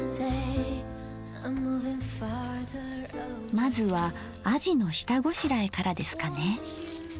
まずはあじの下ごしらえからですかね。